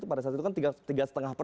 pada saat itu kan